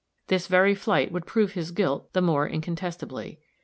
This very flight would prove his guilt the more incontestably.